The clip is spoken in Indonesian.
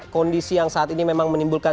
kondisi yang saat ini memang menimbulkan